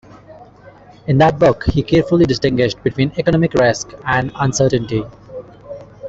In that book, he carefully distinguished between economic risk and uncertainty.